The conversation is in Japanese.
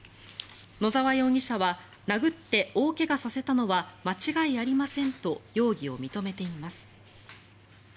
野沢容疑者は殴って大怪我させたのは間違いありませんと容疑を認めています。